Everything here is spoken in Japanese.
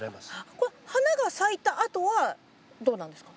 これ花が咲いたあとはどうなんですか？